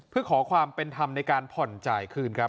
เพื่อขอความเป็นธรรมในการผ่อนจ่ายคืนครับ